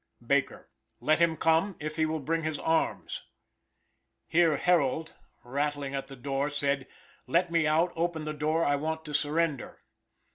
Baker "Let him come, if he will bring his arms." Here Harold, rattling at the door, said: "Let me out; open the door; I want to surrender."